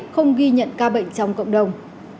không ghi nhận ca bệnh trong cộng đồng